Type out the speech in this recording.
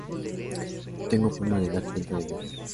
No tengo forma de dar cuenta de ellos".